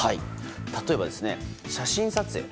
例えば、写真撮影。